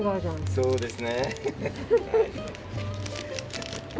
そうです。